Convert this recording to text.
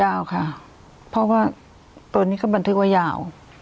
ยาวค่ะเพราะว่าตัวนี้ก็บันทึกว่ายาว